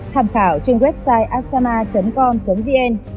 tham khảo trên website asama com vn